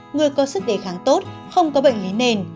người có sức đề kháng tốt không có bệnh lý nền